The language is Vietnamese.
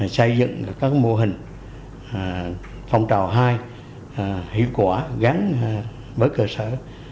xây dựng các mô hình phong trào hai hiệu quả gắn với cơ sở